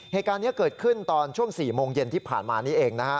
เหตุการณ์นี้เกิดขึ้นตอนช่วง๔โมงเย็นที่ผ่านมานี้เองนะฮะ